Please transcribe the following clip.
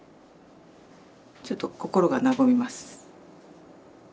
ちょっと心が和みます。